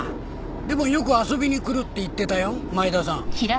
でもよく遊びに来るって言ってたよ前田さん。